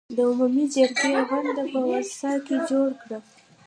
د عمومي جرګې غونډه په ورسا کې جوړه کړه.